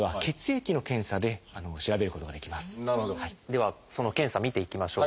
ではその検査見ていきましょう。